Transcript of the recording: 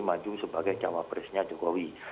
maju sebagai cewek pres jokowi